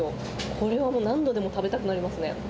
これは何度でも食べたくなりますね。